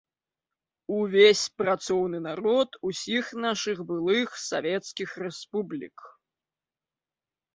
Увесь працоўны народ усіх нашых былых савецкіх рэспублік.